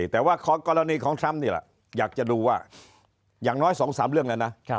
แต่ว่ากรณีของทรัมป์นี่แหละอยากจะดูว่าอย่างน้อย๒๓เรื่องแล้วนะ